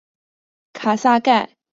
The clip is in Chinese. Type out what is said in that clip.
卡萨盖贝戈内人口变化图示